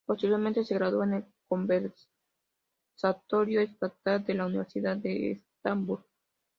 Posteriormente, se graduó en el Conservatorio Estatal de la Universidad de Estambul.